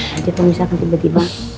nanti kalau misalkan tiba tiba